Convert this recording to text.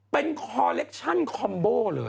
เป็นคอเล็กชั่นคอมโบ้เลย